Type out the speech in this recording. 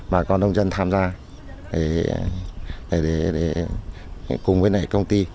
bà con đông dân tham gia để cùng với lại công ty